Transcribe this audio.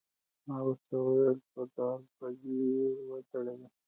ما ورته وویل: په دار به دې وځړوي.